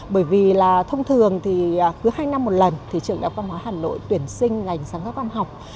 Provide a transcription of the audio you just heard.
bởi vì thông thường cứ hai năm một lần trường đại học văn hóa hà nội tuyển sinh ngành sáng tác văn học